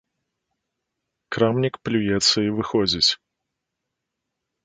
Крамнік плюецца і выходзіць.